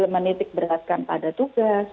menitik beratkan pada tugas